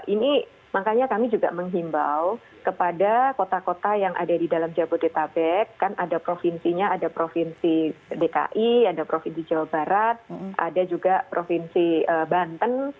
ini makanya kami juga menghimbau kepada kota kota yang ada di dalam jabodetabek kan ada provinsinya ada provinsi dki ada provinsi jawa barat ada juga provinsi banten